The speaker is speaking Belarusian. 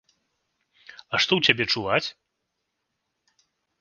А што ў цябе чуваць?